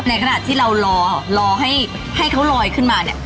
ขณะที่เรารอให้เขาลอยขึ้นมาเนี่ย